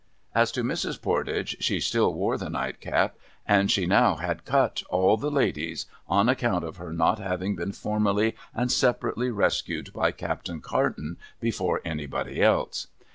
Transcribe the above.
' As to Mrs. Pordage, she still wore the nightcap, and she now had cut all the ladies on account of her not having been formally and separately rescued by Captain Carton before anybody else.